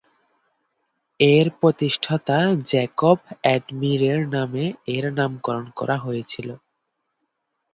এর প্রতিষ্ঠাতা জ্যাকব অ্যাডমিরের নামে এর নামকরণ করা হয়েছিল।